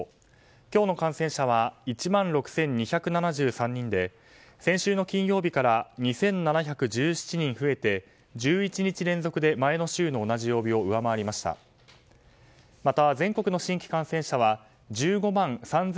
今日の感染者は１万６２７３人で先週の金曜日から２７１７人増えて１１日連続で前の週の同じ曜日を上回りました。